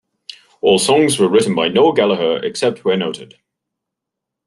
All songs written by Noel Gallagher, except where noted.